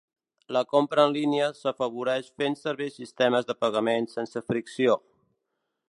La compra en línia s'afavoreix fent servir sistemes de pagament sense fricció.